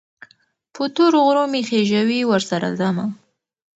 په تورو غرو مې خېژوي، ورسره ځمه